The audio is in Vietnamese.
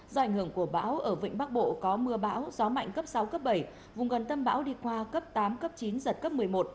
do ảnh hưởng của bão ở vịnh bắc bộ có mưa bão gió mạnh cấp sáu cấp bảy vùng gần tâm bão đi qua cấp tám cấp chín giật cấp một mươi một